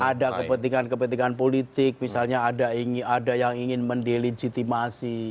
ada kepentingan kepentingan politik misalnya ada yang ingin mendelegitimasi